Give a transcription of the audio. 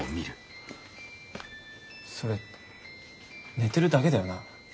それ寝てるだけだよな？